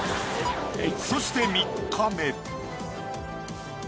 そして３日目。